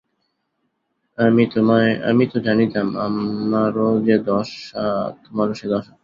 আমি তো জানিতাম আমারো যে দশা তােমারো সে দশা!